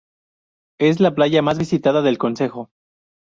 Es la playa más visitada del concejo.